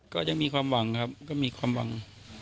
ก็ยังมีความหวังครับก็มีความหวัง